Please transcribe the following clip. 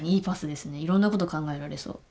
いろんなこと考えられそう。